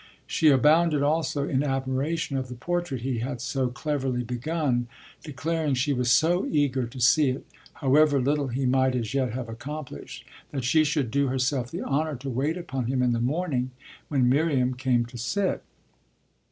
She abounded also in admiration of the portrait he had so cleverly begun, declaring she was so eager to see it, however little he might as yet have accomplished, that she should do herself the honour to wait upon him in the morning when Miriam came to sit.